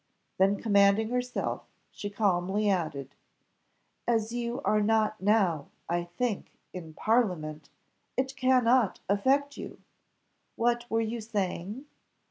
Then, commanding herself, she calmly added "As you are not now, I think, in parliament, it cannot affect you. What were you saying?